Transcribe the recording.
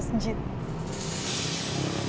jauh dari rumah